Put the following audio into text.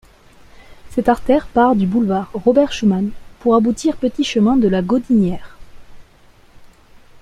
Cette artère part du boulevard Robert-Schuman pour aboutir Petit Chemin de la Gaudinière.